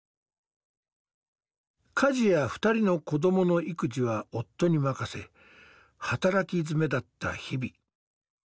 家事や２人の子どもの育児は夫に任せ働きづめだった日々。